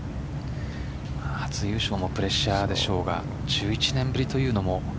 初優勝もプレッシャーでしょうが１１年ぶりというのも。